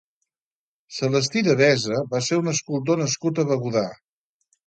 Celestí Devesa va ser un escultor nascut a Begudà.